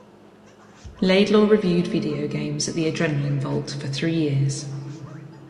Laidlaw reviewed video games at The Adrenaline Vault for three years.